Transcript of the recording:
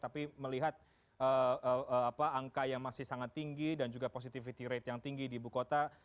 tapi melihat angka yang masih sangat tinggi dan juga positivity rate yang tinggi di ibu kota